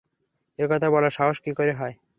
এ কথা বলার সাহস কি করে হয়?